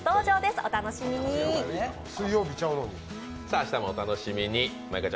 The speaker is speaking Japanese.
明日もお楽しみに。